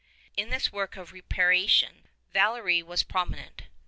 In this work of reparation Valery was prominent.